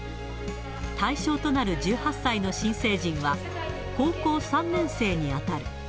対象となる１８歳の新成人は、高校３年生に当たる。